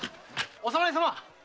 お侍様！